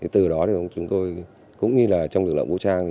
từ đó chúng tôi cũng như trong lực lượng vũ trang